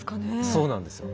そうなんですよ。